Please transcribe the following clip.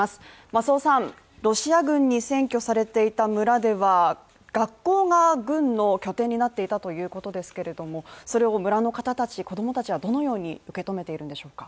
増尾さん、ロシア軍に占拠されていた村では、学校が軍の拠点になっていたということですけれども、それを村の方たち子供たちはどのように受けとめているんでしょうか？